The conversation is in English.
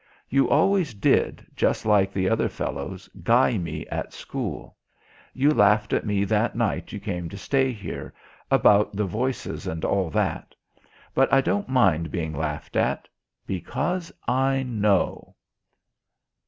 You always did, just like the other fellows, guy me at school. You laughed at me that night you came to stay here about the voices and all that. But I don't mind being laughed at because I know."